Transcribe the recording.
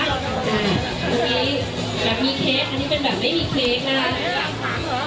นี่แบบมีเค้กอันนี้แบบไม่มีเค้ก